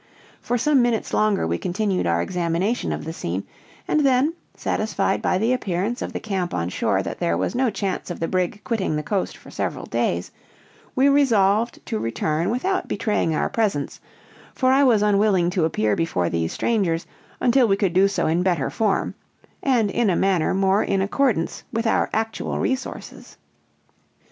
For some minutes longer we continued our examination of the scene, and then, satisfied by the appearance of the camp on shore that there was no chance of the brig quitting the coast for several days, we resolved to return without betraying our presence, for I was unwilling to appear before these strangers until we could do so in better form, and in a manner more in accordance with our actual resources.